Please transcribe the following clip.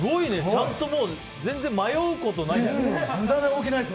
ちゃんともう全然迷うことないんだ。